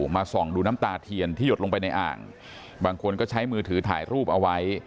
มาส่องดูน้ำตาเทียนที่หยดลงไปในอ่างบางคนก็ใช้มือถือถ่ายรูปเอาไว้